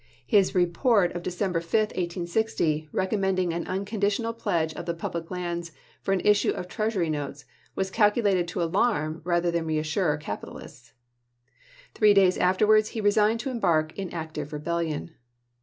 His report of December 5, 1860, recommending an unconditional pledge of the public lands for an issue of treasury notes, was calculated to alarm rather than reassure capitalists. Three days afterwards he resigned to embark in active rebellion.